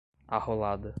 arrolada